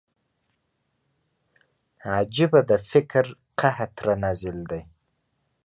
عجيبه د فکر قحط را نازل دی